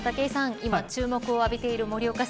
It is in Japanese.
今注目を浴びている盛岡市。